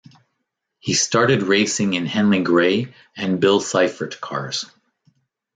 He started racing in Henley Gray and Bill Seifert cars.